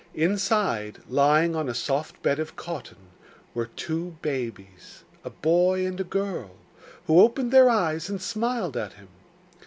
Inside, lying on a soft bed of cotton, were two babies, a boy and a girl, who opened their eyes and smiled at him.